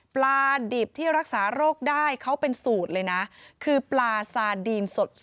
ปลาดิบที่รักษาโรคได้เขาเป็นสูตรเลยนะคือปลาซาดีนสด